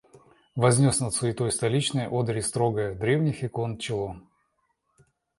Вознес над суетой столичной одури строгое — древних икон — чело.